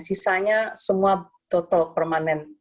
sisanya semua total permanen